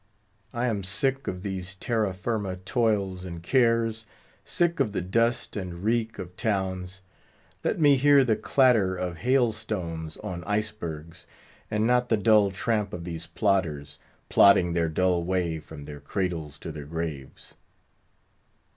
I am sick of these terra firma toils and cares; sick of the dust and reek of towns. Let me hear the clatter of hailstones on icebergs, and not the dull tramp of these plodders, plodding their dull way from their cradles to their graves.